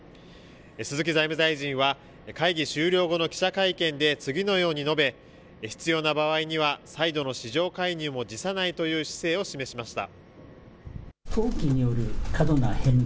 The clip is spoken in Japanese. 鈴木財務大臣は会議終了後の記者会見で次のように述べ必要な場合には再度の市場介入も辞さないという姿勢を示しました。